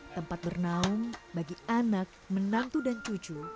tempat bernaung bagi anak menantu dan cucu